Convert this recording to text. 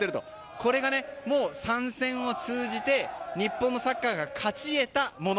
これが３戦を通じて日本のサッカーが勝ち得たもの。